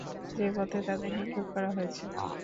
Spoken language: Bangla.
যে পথে তাদের নিক্ষেপ করা হয়েছে।